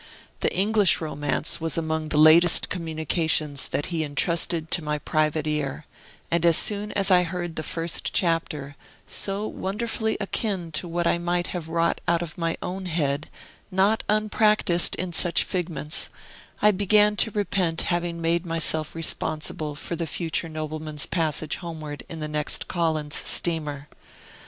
The English romance was among the latest communications that he intrusted to my private ear; and as soon as I heard the first chapter, so wonderfully akin to what I might have wrought out of my own head, not unpractised in such figments, I began to repent having made myself responsible for the future nobleman's passage homeward in the next Collins steamer.